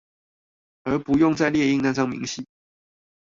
而不用再列印那張明細